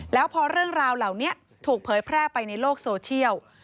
แล้วพอเรื่องราวเหล่านี้ถูกเผยแพร่ไปในโลกโซเชียล